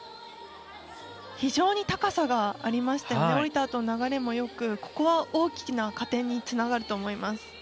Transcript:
非常に高さがあって下りた後の流れもよくここは大きな加点につながると思います。